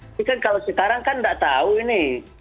tapi kan kalau sekarang kan nggak tahu ini